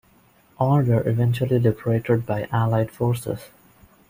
All were eventually liberated by Allied forces.